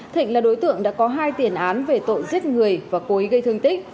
thịnh là đối tượng đã có hai tiền án về tội giết người và cố ý gây thương tích